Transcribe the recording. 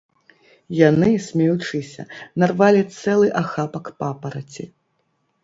Яны, смеючыся, нарвалі цэлы ахапак папараці.